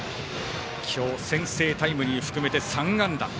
今日先制タイムリー含めて３安打。